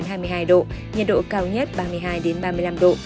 nhiệt độ cao nhất ba mươi hai ba mươi năm độ